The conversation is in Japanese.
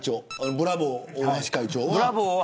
ブラボー大橋会長は。